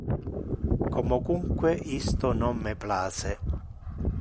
Comocunque, isto non me place.